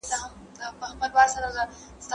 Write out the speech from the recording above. د پوهانو هڅې د ستاینې وړ دي.